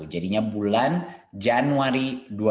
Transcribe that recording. jadinya bulan januari dua ribu dua puluh